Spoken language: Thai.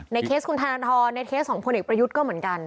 เคสคุณธนทรในเคสของพลเอกประยุทธ์ก็เหมือนกัน